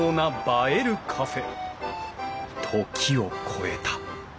「時を超えた」。